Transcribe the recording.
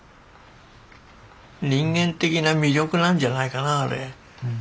人間的な魅力なんじゃないかなあれ。